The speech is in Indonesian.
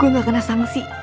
gue gak kena sanksi